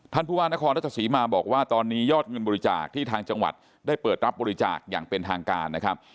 ท่านผู้ว่านครรัชศรีมาบอกว่าตอนนี้ยอดเงินบริจาคที่ทางจังหวัดได้เปิดรับบริจาคอย่างเป็นทางการนะครับ